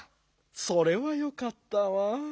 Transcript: それはよかったわ。